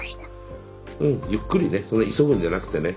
うんゆっくりねそんな急ぐんじゃなくてね。